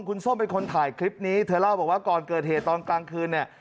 คุณส้มเป็นคนถ่ายคลิปนี้เธอเล่าบอกว่าก่อนเกิดเหตุตอนกลางคืนเนี่ย